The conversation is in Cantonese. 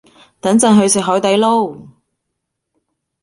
等陣去食海地撈